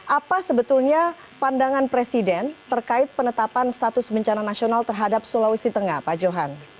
apa sebetulnya pandangan presiden terkait penetapan status bencana nasional terhadap sulawesi tengah pak johan